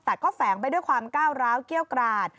แต่ก็แฝงไปด้วยความก้าวร้าวเกี้ยวกราด